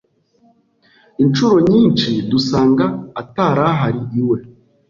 inshuro nyinshi, dusanga atarahari iwe